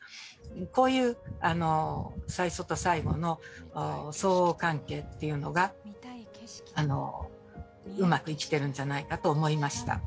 こういう最初と最後の相応関係っていうのがうまく生きてるんじゃないかと思いました。